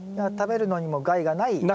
食べるのにも害がない。